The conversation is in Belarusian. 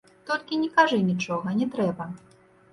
Толькі не кажы нічога, не трэба.